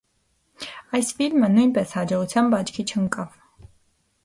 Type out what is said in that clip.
Այս ֆիլմը նույնպես հաջողությամբ աչքի չընկավ։